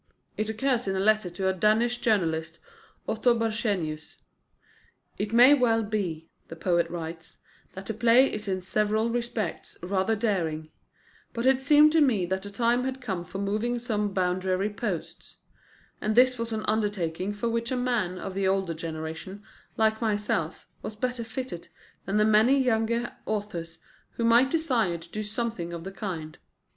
It occurs in a letter to a Danish journalist, Otto Borchsenius. "It may well be," the poet writes, "that the play is in several respects rather daring. But it seemed to me that the time had come for moving some boundary posts. And this was an undertaking for which a man of the older generation, like myself, was better fitted than the many younger authors who might desire to do something of the kind.